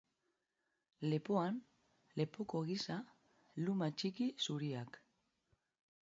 Lepoan, lepoko gisa, luma txiki zuriak.